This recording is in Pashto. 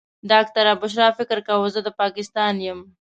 ډاکټره بشرا فکر کاوه زه د پاکستان یم.